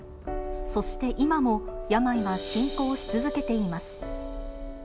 そして今も、病は進行し続けています。